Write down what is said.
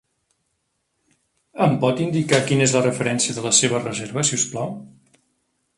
Em pot indicar quina és la referència de la seva reserva, si us plau?